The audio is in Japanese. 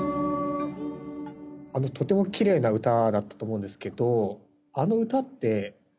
とても奇麗な歌だったと思うんですけど。